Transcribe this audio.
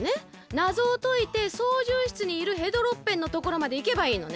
なぞをといてそうじゅう室にいるヘドロッペンのところまでいけばいいのね。